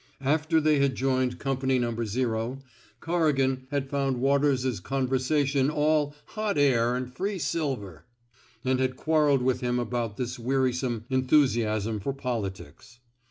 After they had joined Company No. 0, Corrigan had found Waters 's con versation all hot air an* free silver/* and had quarrelled with him about this wearisome enthusiasm for polities.